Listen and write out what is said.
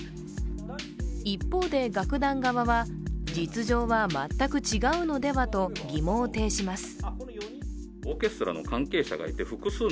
一方で楽団側は、実情は全く違うのではと疑問を呈します。